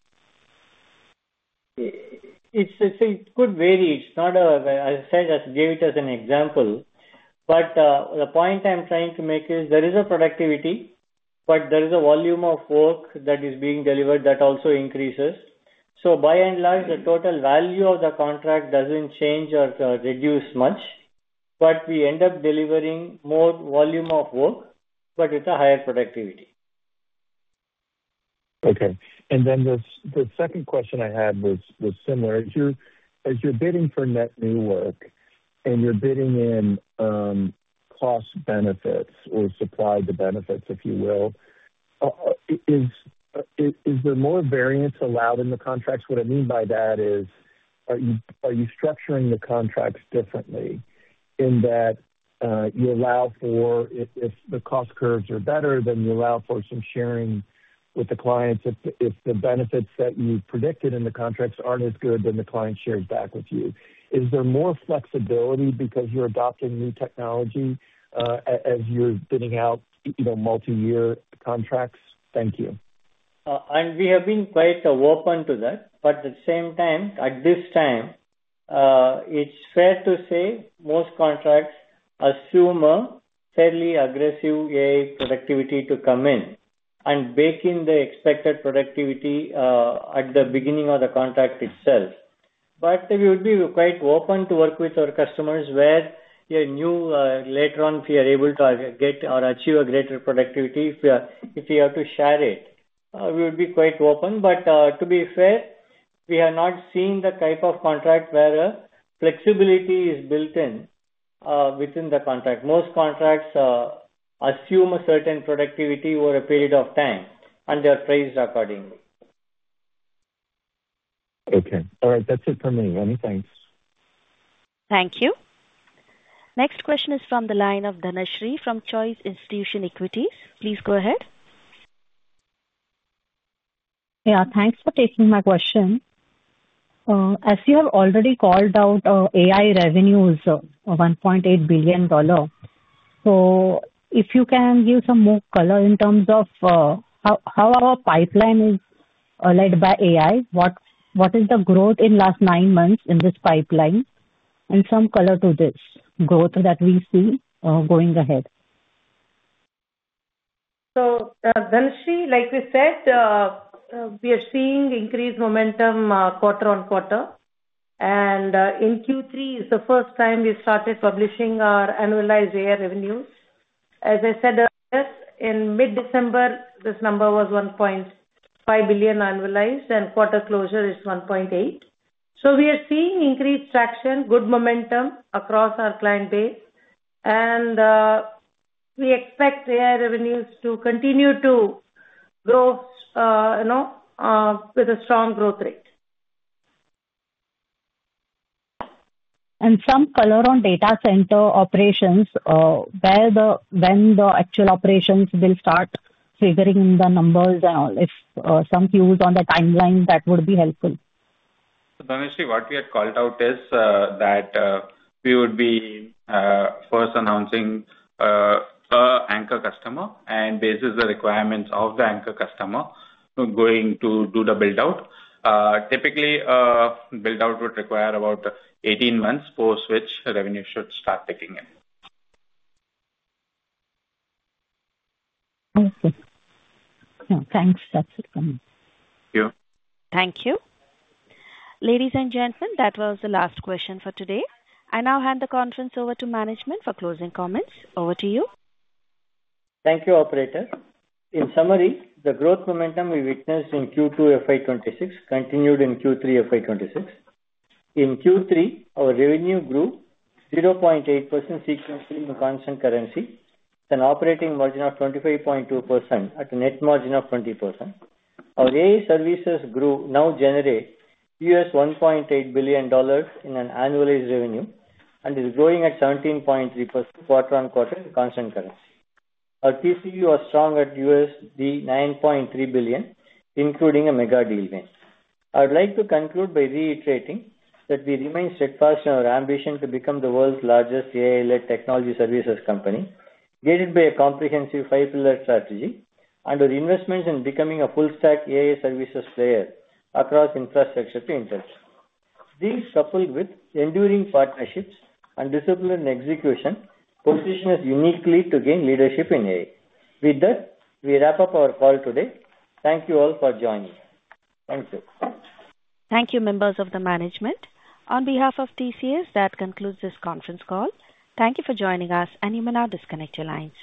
[SPEAKER 5] It could vary. I said that gave it as an example. But the point I'm trying to make is there is a productivity, but there is a volume of work that is being delivered that also increases. So by and large, the total value of the contract doesn't change or reduce much, but we end up delivering more volume of work, but with a higher productivity.
[SPEAKER 12] Okay. And then the second question I had was similar. As you're bidding for net new work and you're bidding in cost benefits or supply the benefits, if you will, is there more variance allowed in the contracts? What I mean by that is, are you structuring the contracts differently in that you allow for, if the cost curves are better, then you allow for some sharing with the clients. If the benefits that you predicted in the contracts aren't as good, then the client shares back with you. Is there more flexibility because you're adopting new technology as you're bidding out multi-year contracts? Thank you
[SPEAKER 5] and we have been quite open to that, but at the same time, at this time, it's fair to say most contracts assume a fairly aggressive AI productivity to come in and bake in the expected productivity at the beginning of the contract itself. But we would be quite open to work with our customers where later on, if we are able to get or achieve a greater productivity, if we have to share it, we would be quite open. But to be fair, we have not seen the type of contract where flexibility is built in within the contract. Most contracts assume a certain productivity over a period of time, and they are priced accordingly.
[SPEAKER 12] Okay. All right. That's it for me. Anything else?
[SPEAKER 1] Thank you. Next question is from the line of Dhanashree from Choice Institutional Equities. Please go ahead.
[SPEAKER 13] Yeah. Thanks for taking my question. As you have already called out AI revenues, $1.8 billion. If you can give some more color in terms of how our pipeline is led by AI, what is the growth in the last nine months in this pipeline, and some color to this growth that we see going ahead? Dhanashree, like we said, we are seeing increased momentum quarter on quarter. In Q3, it is the first time we started publishing our annualized AI revenues. As I said, in mid-December, this number was $1.5 billion annualized, and quarter closure is $1.8 billion. We are seeing increased traction, good momentum across our client base. We expect AI revenues to continue to grow with a strong growth rate. Some color on data center operations, when the actual operations will start figuring in the numbers and all, if some cues on the timeline, that would be helpful.
[SPEAKER 5] Dhanashree, what we had called out is that we would be first announcing an anchor customer and basis the requirements of the anchor customer going to do the build-out. Typically, build-out would require about 18 months post which revenue should start picking in.
[SPEAKER 13] Thank you. Thanks. That's it from me.
[SPEAKER 5] Thank you.
[SPEAKER 1] Thank you. Ladies and gentlemen, that was the last question for today. I now hand the conference over to management for closing comments. Over to you.
[SPEAKER 3] Thank you, Operator. In summary, the growth momentum we witnessed in Q2 FY26 continued in Q3 FY26. In Q3, our revenue grew 0.8% sequentially in constant currency with an operating margin of 25.2% at a net margin of 20%. Our AI services grew, now generate $1.8 billion in an annualized revenue and is growing at 17.3% quarter on quarter in constant currency. Our TCV was strong at $9.3 billion, including a mega deal win. I would like to conclude by reiterating that we remain steadfast in our ambition to become the world's largest AI-led technology services company guided by a comprehensive five-pillar strategy and with investments in becoming a full-stack AI services player across infrastructure to industry. These coupled with enduring partnerships and disciplined execution position us uniquely to gain leadership in AI. With that, we wrap up our call today. Thank you all for joining.
[SPEAKER 1] Thank you, members of the management. On behalf of TCS, that concludes this conference call. Thank you for joining us, and you may now disconnect your lines.